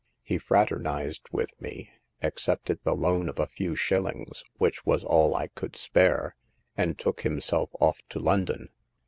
He fraternized with me, accepted the loan of a few shillings— which was all I could spare— and took himself off to London.